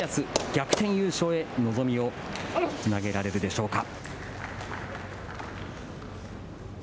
逆転優勝へ望みをつなげられるでしょうか。